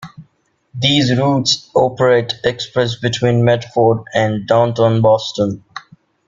These routes operate express between Medford and downtown Boston.